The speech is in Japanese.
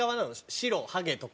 「白ハゲ」とか？